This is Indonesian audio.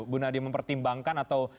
bu nadia mempertimbangkan atau